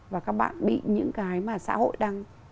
và các bạn bị những cái mà xã hội đang